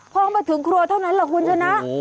พ้องมาถึงครัวเท่านั้นเหรอคุณจนนะ